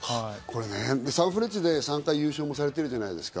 サンフレッチェで３回優勝もされてるじゃないですか。